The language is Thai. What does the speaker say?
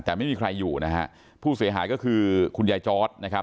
แต่ไม่มีใครอยู่นะฮะผู้เสียหายก็คือคุณยายจอร์ดนะครับ